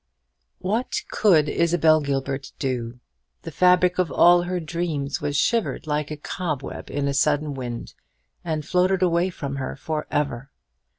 What could Isabel Gilbert do? The fabric of all her dreams was shivered like a cobweb in a sudden wind, and floated away from her for ever.